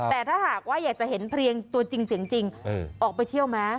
แต่ถ้าหากว่าอยากจะเห็นเพลงตัวจริงเสียงจริงออกไปเที่ยวไหม